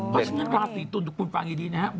เพราะฉะนั้นราศรีตุลคุณฟังอย่างนี้นะครับ